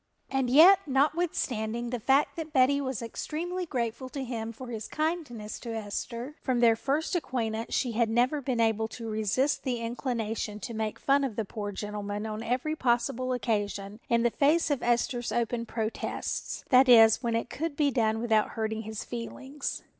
And yet notwithstanding the fact that Betty was extremely grateful to him for his kindness to Esther, from their first acquaintance she had never been able to resist the inclination to make fun of the poor gentleman on every possible occasion, in the face of Esther's open protests, that is, when it could be done without hurting his feelings.